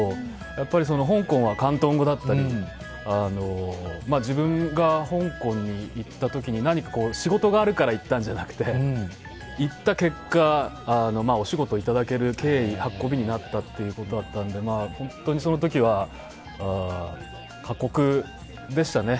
やっぱり香港は広東語だったり自分が香港に行った時に何か仕事があるから行ったんじゃなくて行った結果、お仕事をいただける運びになったということで本当にその時は過酷でしたね。